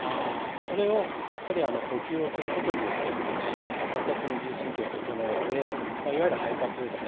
それを呼吸をすることによって自律神経を整えていわゆる肺活ですね。